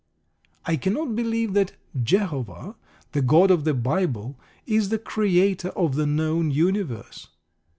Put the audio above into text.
I cannot believe that Jehovah, the God of the Bible, is the Creator of the known universe.